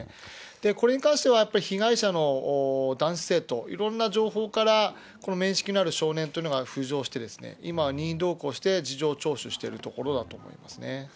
これに関してはやっぱり被害者の男子生徒、いろんな情報から、この面識のある少年というのが浮上して、今、任意同行して、事情聴取しているところだと思いますね。